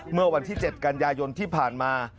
เมื่อวันที่๗กันยายนที่ผ่านมา